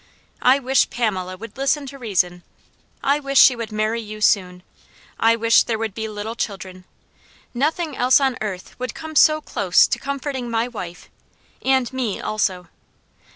I wish Pamela would listen to reason! I wish she would marry you soon! I wish there would be little children. Nothing else on earth would come so close to comforting my wife, and me also.